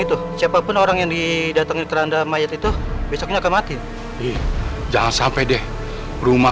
itu siapapun orang yang didatangi teranda mayat itu besoknya akan mati jangan sampai deh rumah